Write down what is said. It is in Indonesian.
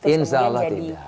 insya allah tidak